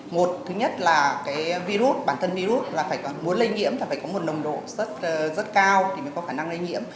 một thứ nhất là bản thân virus muốn lây nhiễm phải có một nồng độ rất cao để có khả năng lây nhiễm